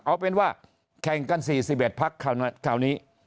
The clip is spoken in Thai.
เอาเป็นว่าแข่งกัน๔๑พักคราวนี้